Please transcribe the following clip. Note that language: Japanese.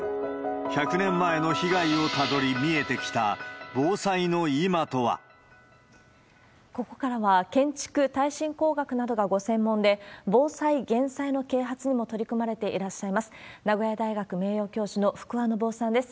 １００年前の被害をたどり、ここからは、建築、耐震工学などがご専門で、防災、減災の啓発にも取り組まれていらっしゃいます、名古屋大学名誉教授の福和伸夫さんです。